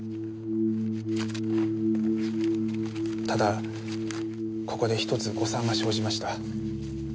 ただここで１つ誤算が生じました。